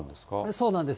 そうなんです。